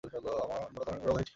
আমার বড় ধরনের কোন রোগ হয়েছে।